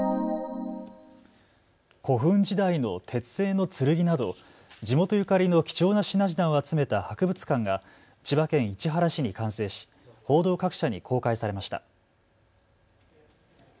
古墳時代の鉄製の剣など地元ゆかりの貴重な品々を集めた博物館が千葉県市原市に完成し報道各社に公開されました。